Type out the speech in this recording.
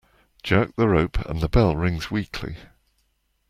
Jerk the rope and the bell rings weakly.